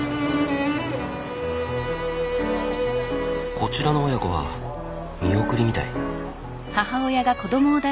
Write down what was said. こちらの親子は見送りみたい。